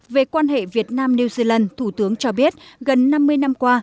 về quan hệ việt nam new zealand thủ tướng cho biết gần năm mươi năm qua